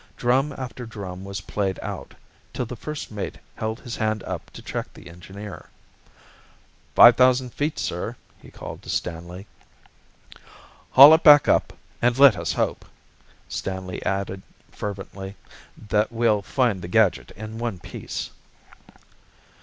Drum after drum was played out, till the first mate held his hand up to check the engineer. "Five thousand feet, sir," he called to Stanley. "Haul it back up. And let us hope," Stanley added fervently, "that we'll find the gadget in one piece."